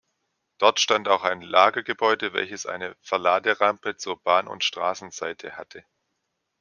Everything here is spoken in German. Dort stand auch ein Lagergebäude, welches eine Verladerampe zur Bahn- und Strassenseite hatte.